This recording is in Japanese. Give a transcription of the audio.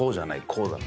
こうだ」。